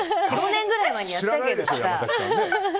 ４５年ぐらい前にやったけど！